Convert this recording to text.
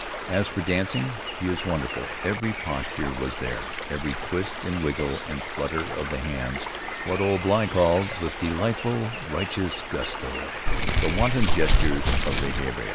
As for dancing, he is wonderful; every posture was there, every twist and wriggle and flutter of the hands — what old Bligh called, with de lightful, righteous gusto, the "wanton gestures" of the heiva.